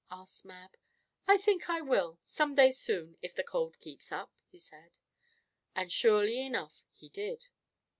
asked Mab. "I think I will, some day soon, if the cold keeps up," he said. And, surely enough he did.